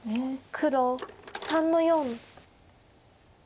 黒３の四。